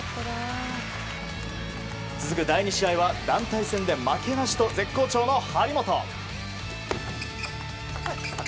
続く第２試合では団体戦で負けなしと絶好調の張本。